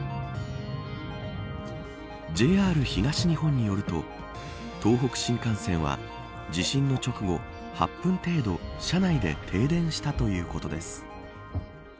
ＪＲ東日本によると東北新幹線は、地震の直後８分程度車内で停電したということです。